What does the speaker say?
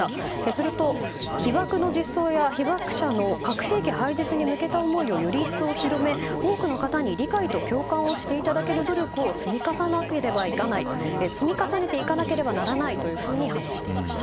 すると、被爆の実相や、被爆者の核兵器廃絶に向けた思いをより一層広め多くの方に理解と共感をしていただける努力を積み重ねていかなければならないというふうに話していました。